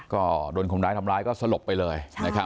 ก็โดนคุณร้ายทำร้ายก็สลบไปเลย